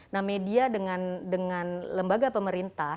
nah media dengan lembaga pemerintah